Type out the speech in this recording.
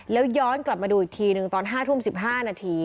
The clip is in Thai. แล้วย้อนกลับมาดูอีกทีหนึ่งตอน๕ทุ่ม๑๕นาที